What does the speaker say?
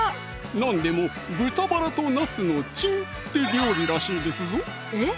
なんでも「豚バラとなすのチン」って料理らしいですぞえっ？